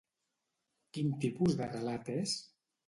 Quin tipus de relat és?